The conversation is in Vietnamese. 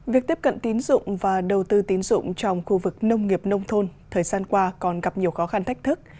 việc tiếp cận tín dụng và đầu tư tín dụng trong khu vực nông nghiệp nông thôn thời gian qua còn gặp nhiều khó khăn thách thức